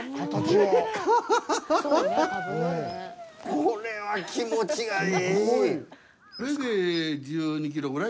これは気持ちがいい！